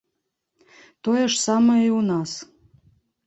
Тое ж самае і ў нас.